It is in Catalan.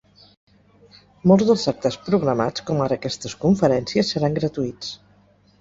Molts dels actes programats, com ara aquestes conferències, seran gratuïts.